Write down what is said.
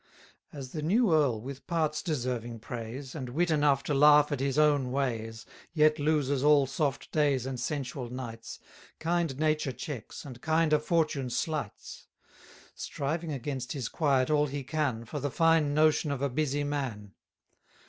As the new earl, with parts deserving praise, 120 And wit enough to laugh at his own ways, Yet loses all soft days and sensual nights, Kind nature checks, and kinder fortune slights; Striving against his quiet all he can, For the fine notion of a busy man.